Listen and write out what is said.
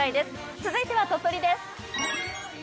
続いては鳥取です。